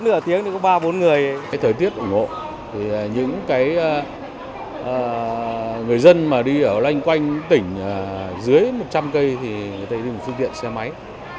những người dân mà đi ở lanh quanh tỉnh dưới một trăm linh cây thì người ta đi một phương tiện xe máy